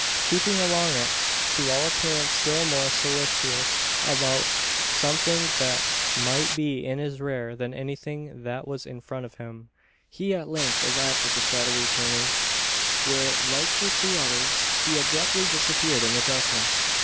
Keeping along it to all appearance still more solicitous about something that might be in his rear than anything that was in front of him he at length arrived at the shadowy turning; where, like the two others, he abruptly disappeared in the darkness.